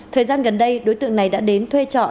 thời gian gần đây đối tượng này đã đến thuê trọ